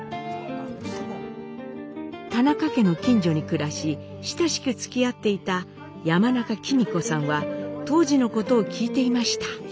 田中家の近所に暮らし親しくつきあっていた山中公子さんは当時のことを聞いていました。